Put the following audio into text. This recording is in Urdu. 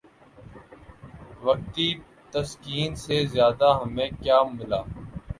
وقتی تسکین سے زیادہ ہمیں کیا ملا؟